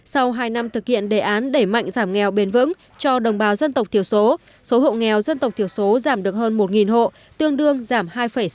sau hai năm thực hiện đề án đẩy mạnh giảm nghèo bền vững cho đồng bào dân tộc thiểu số số hộ nghèo dân tộc thiểu số giảm được hơn một hộ tương đương giảm hai sáu mươi